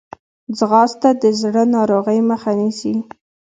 ځغاسته د زړه ناروغۍ مخه نیسي